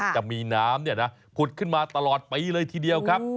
จะมีน้ำผุดขึ้นมาตลอดปีเลยทีเดียวครับ